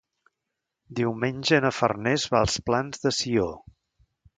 Diumenge na Farners va als Plans de Sió.